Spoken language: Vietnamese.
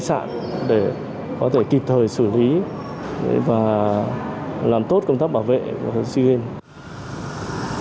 công an phường cũng đã lên phương án để có thể kịp thời xử lý và làm tốt công tác bảo vệ sea games